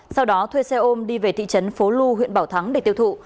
sau đó thuê xe ôm đi về thị trấn phố lu huyện bảo thắng để tiêu thụ